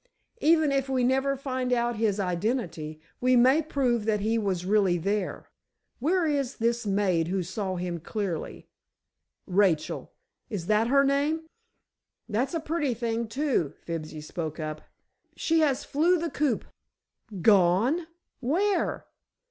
Even if we never find out his identity, we may prove that he was really there. Where is this maid who saw him clearly? Rachel—is that her name?" "That's a pretty thing, too!" Fibsy spoke up. "She has flew the coop." "Gone! Where?"